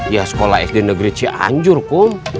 ya sekolah sd negeri cianjur pun